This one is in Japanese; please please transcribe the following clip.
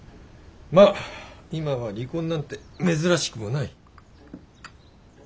まあ今は離婚なんて珍しくもない。